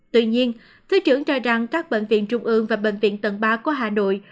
tuy nhiên thứ trưởng cho rằng các bệnh viện trung ương và bệnh viện tận ba của hà nội